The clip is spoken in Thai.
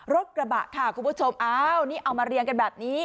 รถกระบะค่ะคุณผู้ชมอ้าวนี่เอามาเรียงกันแบบนี้